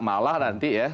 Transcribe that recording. malah nanti ya